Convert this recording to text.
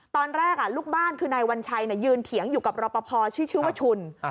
ตอนแรกลูกบ้านคือนายวัญชัยยืนเถียงอยู่กับรอปภชื่อว่าชุน